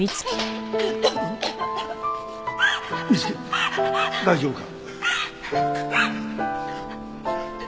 美月大丈夫か？